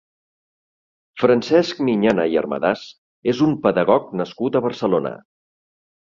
Francesc Miñana i Armadàs és un pedagog nascut a Barcelona.